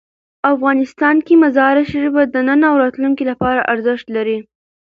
افغانستان کې مزارشریف د نن او راتلونکي لپاره ارزښت لري.